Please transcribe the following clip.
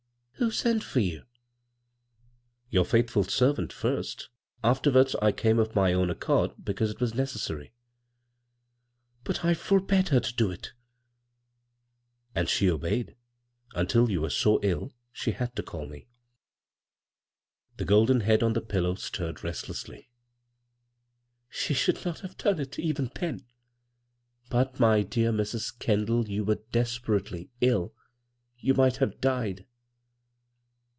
" Who sent for you ?"" Your faithful servant first Afterwards I came of my own accord, because it was " But I forbade her to do it" " And she obeyed — until you were so ill she had to call me." 70 b, Google CROSS CURRENTS The golden head on the pillow stirred rest lessly. " She should nat have done it, even then," " But, my dear Mrs. Kendall, you were des perately ill. You might have died."